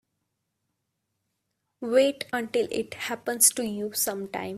Wait until it happens to you sometime.